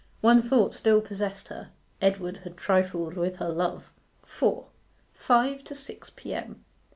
One thought still possessed her; Edward had trifled with her love. 4. FIVE TO SIX P.M.